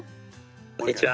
こんにちは。